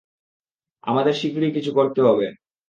আমাদের শীঘ্রই কিছু করতে হবে।